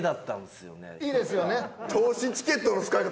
いいですよね？